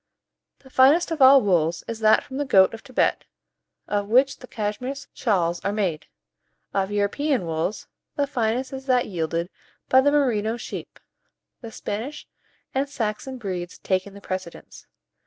The finest of all wools is that from the goat of Thibet, of which the Cashmere shawls are made. Of European wools, the finest is that yielded by the Merino sheep, the Spanish and Saxon breeds taking the precedence.